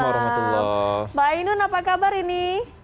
mbak ainun apa kabar ini